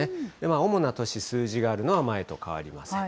主な都市、数字があるのは前と変わりません。